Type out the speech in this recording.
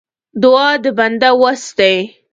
دعا د بنده وس دی.